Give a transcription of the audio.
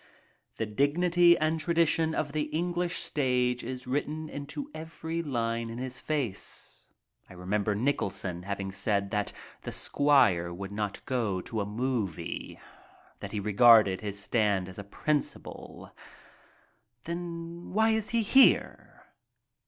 The dignity and tradition of the English stage is written into every line in his face. I remember Nicholson having said that the squire would not go to a "movie," that he regarded his stand as a principle. Then why is he here?